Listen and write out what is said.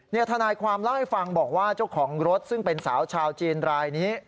ทนายความเล่าให้ฟังบอกว่าเจ้าของรถซึ่งเป็นสาวชาวจีนรายนี้